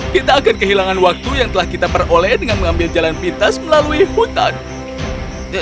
kita akan kehilangan waktu yang telah kita peroleh dengan mengambil jalan pintas melalui hutan